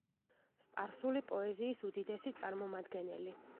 სპარსული პოეზიის უდიდესი წარმომადგენელი.